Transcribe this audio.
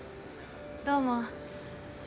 どうも。